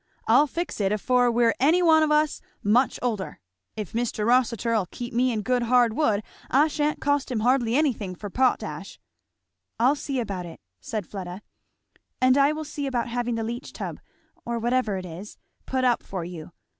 I'll fix it, afore we're any on us much older. If Mr. Rossitur'll keep me in good hard wood I sha'n't cost him hardly anything for potash." "I'll see about it," said Fleda, "and I will see about having the leach tub, or whatever it is, put up for you.